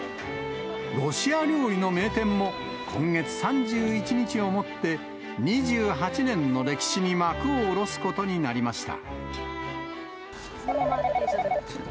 ロシア料理の名店も、今月３１日をもって２８年の歴史に幕を下ろすことになりました。